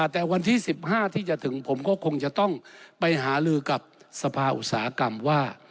แต่วันที่๑๕ที่จะถึงผมก็คงจะต้องไปหาลือกับสภาอุตสาหกรรมว่า